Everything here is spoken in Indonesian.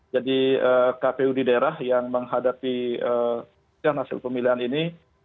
jadi kpu di daerah yang menghadapi hasil pemilihan ini